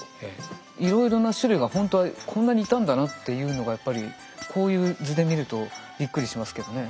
いろいろな種類がほんとはこんなにいたんだなっていうのがやっぱりこういう図で見るとびっくりしますけどね。